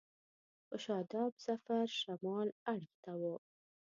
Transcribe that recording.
په شاداب ظفر شمال اړخ ته و.